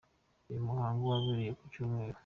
Uyu muhango wabaye ku Cyumweru